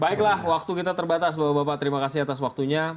baiklah waktu kita terbatas bapak bapak terima kasih atas waktunya